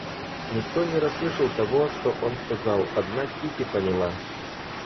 Никто не расслышал того, что он сказал, одна Кити поняла.